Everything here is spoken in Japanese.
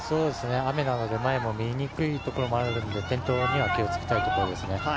雨なので前も見えにくいところがあるので転倒に気をつけたいですね。